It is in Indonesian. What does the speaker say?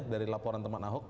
dari laporan teman ahok